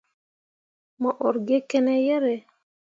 Mo ur gi kene yerre ?